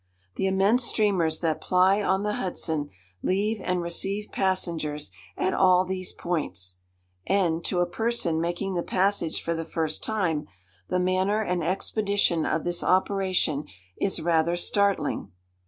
The immense steamers that ply on the Hudson leave and receive passengers at all these points, and, to a person making the passage for the first time, the manner and expedition of this operation is rather startling.